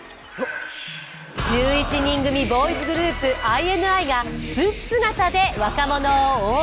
１１人組ボーイズグループＩＮＩがスーツ姿で若者を応援。